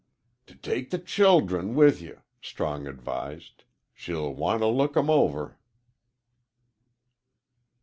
"T take the ch childem with ye," Strong advised. "She'll w want t' look 'em over."